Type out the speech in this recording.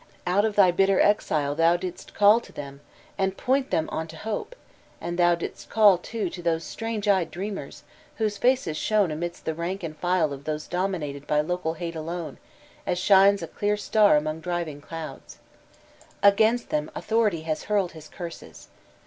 Out of thy bitter cxQe thou didst can to them, and point them on to hope; and thou didst can, too, to those strange eyed dreamers, whose faces shone amidst the rank and file of those dominated by local Hate alone, as shines a clear star among driving douds. Against them Authority has hurled his curses.